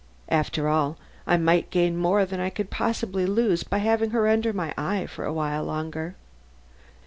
After all, I might gain more than I could possibly lose by having her under my eye for a little longer.